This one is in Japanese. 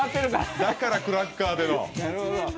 だからクラッカーでの。